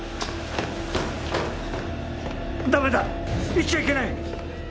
ダメだ行っちゃいけない！